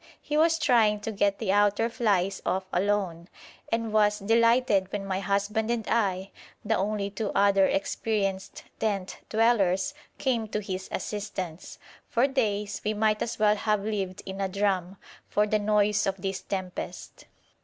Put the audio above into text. He was trying to get the outer flies off alone, and was delighted when my husband and I, the only two other experienced tent dwellers, came to his assistance. For days we might as well have lived in a drum, for the noise of this tempest.